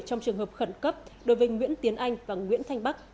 trong trường hợp khẩn cấp đối với nguyễn tiến anh và nguyễn thanh bắc